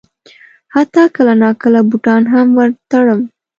حتی کله ناکله بوټان هم ور تړم.